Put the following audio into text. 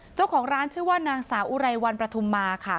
เจ้าของร้านชื่อว่านางสาวอุไรวันประทุมมาค่ะ